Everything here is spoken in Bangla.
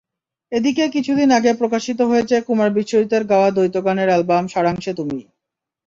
এদিকে কিছুদিন আগে প্রকাশিত হয়েছে কুমার বিশ্বজিতের গাওয়া দ্বৈত গানের অ্যালবাম সারাংশে তুমি।